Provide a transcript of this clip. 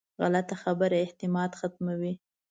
غلطه خبره اعتماد ختموي